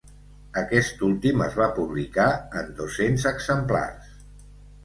Aquest últim es va publicar en dos-cents exemplars.